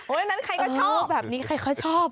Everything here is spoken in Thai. โอ้นั้นใครก็ชอบคุณใครก็ชอบ